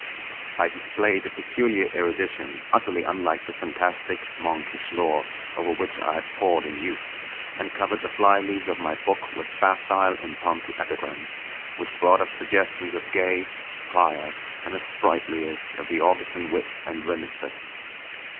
I displayed a peculiar erudition utterly unlike the fantastic, monkish lore over which I had pored in youth; and covered the flyleaves of my books with facile impromptu epigrams which brought up suggestions of Gay, Prior, and the sprightliest of the Augustan wits and rimesters.